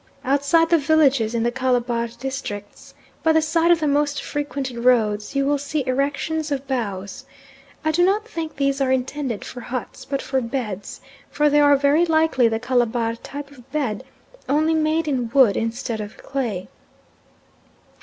Outside the villages in the Calabar districts, by the sides of the most frequented roads, you will see erections of boughs. I do not think these are intended for huts, but for beds, for they are very like the Calabar type of bed, only made in wood instead of clay.